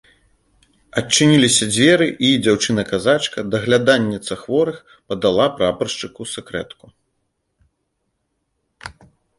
Адчыніліся дзверы, і дзяўчына-казачка, дагляданніца хворых, падала прапаршчыку сэкрэтку.